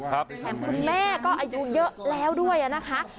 แถมคุณแม่ก็อายุเยอะแล้วด้วยนะคะ